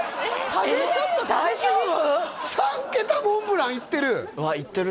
それちょっと大丈夫？